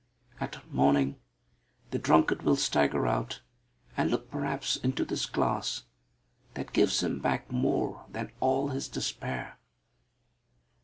At morning, the drunkard will stagger out, and look perhaps into this glass, that gives him back more than all his despair.